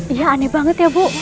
iya aneh banget ya bu